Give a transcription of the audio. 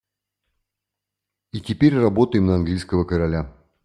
И теперь работаем на английского короля.